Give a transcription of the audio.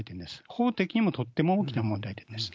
法的にもとっても大きな問題点です。